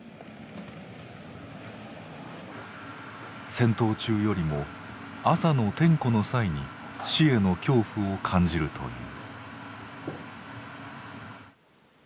戦闘中よりも朝の点呼の際に死への恐怖を感じるという。